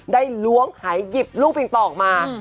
ได้ล้วงหายหยิบลูกบิ่งต่อออกมา